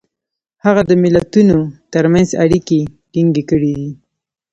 هغه د ملتونو ترمنځ اړیکې ټینګ کړي دي.